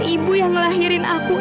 ibu yang ngelahirin aku